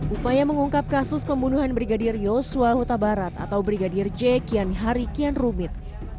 upaya mengungkap kasus pembunuhan brigadir yosua huta barat atau brigadir j kian hari kian rumit